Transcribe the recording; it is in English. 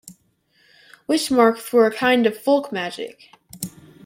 Witch marks were a kind of folk magic.